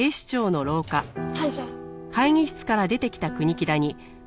班長。